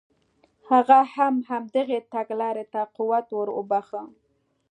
هغه هم همدغې تګلارې ته قوت ور وبخښه.